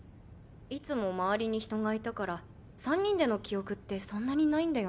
いつも周りに人がいたから３人での記憶ってそんなにないんだよね。